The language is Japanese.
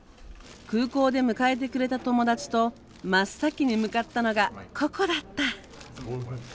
空港で迎えてくれた友達と真っ先に向かったのがここだった。